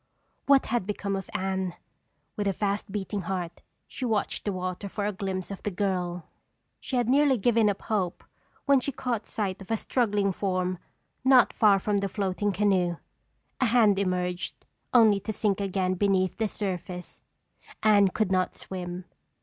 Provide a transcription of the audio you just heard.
What had become of Anne? With a fast beating heart, she watched the water for a glimpse of the girl. She had nearly given up hope when she caught sight of a struggling form not far from the floating canoe. A hand emerged, only to sink again beneath the surface. Anne could not swim!